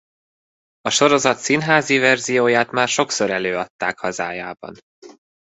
A sorozat színházi verzióját már sokszor előadták hazájában.